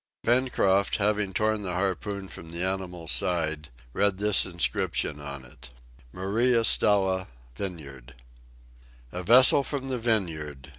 Pencroft, having torn the harpoon from the animal's side, read this inscription on it: MARIA STELLA, VINEYARD "A vessel from the Vineyard!